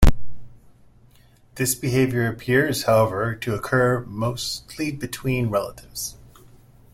This behavior appears, however, to occur mostly between relatives.